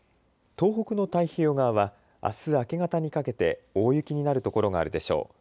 東北の太平洋側はあす明け方にかけて大雪になる所があるでしょう。